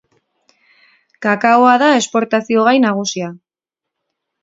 Kakaoa da esportazio gai nagusia.